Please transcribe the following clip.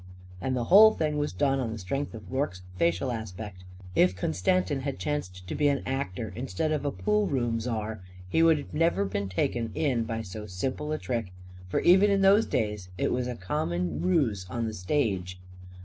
And the whole thing was done on the strength of Rorke's facial aspect. If Constantin had chanced to be an actor instead of a poolroom czar he would never have been taken in by so simple a trick. For even in those days it was a common ruse on the stage.